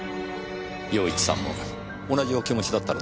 陽一さんも同じお気持ちだったのでしょうね。